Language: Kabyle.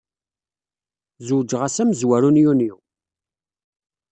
Zewǧeɣ ass amezwaru n Yunyu.